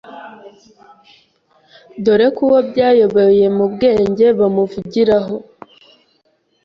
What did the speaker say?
dore ko uwo byayobeye mu bwenge bamuvugiraho